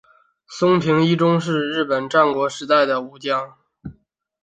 松平伊忠是日本战国时代的武将。